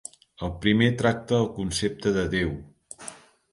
El primer tracta el concepte de Déu.